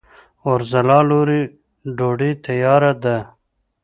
اورځلا لورې! ډوډۍ تیاره ده؟